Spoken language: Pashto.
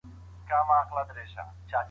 چي محبت يې